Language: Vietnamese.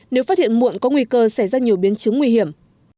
nếu phát hiện muộn có nguy cơ xảy ra nhiều biến chứng nguy hiểm